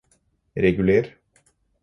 reguler